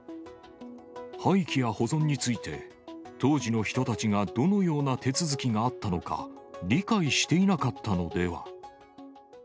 廃棄や保存について、当時の人たちがどのような手続きがあったのか、理解していなかったのでは。